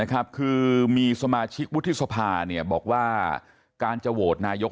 คือมีสมาชิกวุฒิสภาบอกว่าการจะโหวตนายก